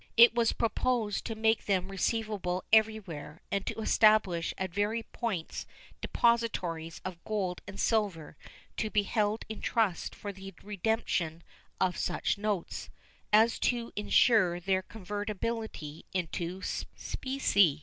It was proposed to make them receivable everywhere and to establish at various points depositories of gold and silver to be held in trust for the redemption of such notes, so as to insure their convertibility into specie.